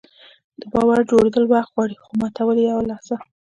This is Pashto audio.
د باور جوړول وخت غواړي، خو ماتول یوه لحظه.